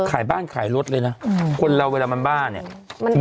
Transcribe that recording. ขายบ้านขายรถเลยนะคนเราเวลามันบ้าเนี่ย